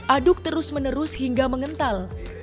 aduk terus menerus hingga mengental